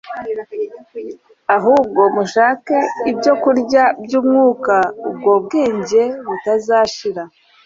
ahubwo mushake ibyo kurya by'umwuka; ubwo bwenge butazashira.